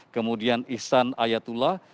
kemudian ihsan ayatullah